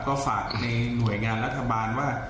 ก็ฝากในหน่วยงานรัฐบาลว่า